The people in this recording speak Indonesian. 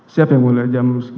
siap yang mulia jam